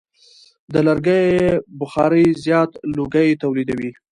د لرګیو بخاري زیات لوګی تولیدوي.